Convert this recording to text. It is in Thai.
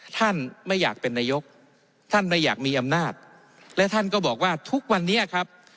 ท่านไม่อยากเป็นนายกท่านไม่อยากมีอำนาจและท่านก็บอกว่าทุกวันนี้ครับ